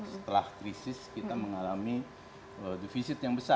setelah krisis kita mengalami defisit yang besar